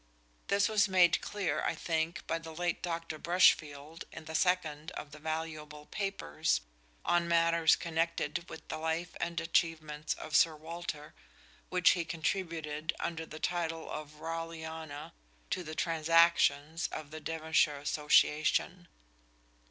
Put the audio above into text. This was made clear, I think, by the late Dr. Brushfield in the second of the valuable papers on matters connected with the life and achievements of Sir Walter, which he contributed under the title of "Raleghana" to the "Transactions" of the Devonshire Association.